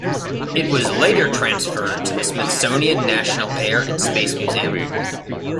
It was later transferred to the Smithsonian National Air and Space Museum.